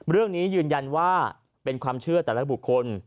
เรื่องนี้ยืนยันว่าเป็นความเชื่อแต่ละบุคคล